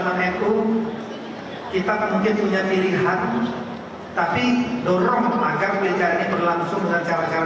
meneku kita mungkin punya pilihan tapi dorong maka belajar ini berlangsung dengan cara cara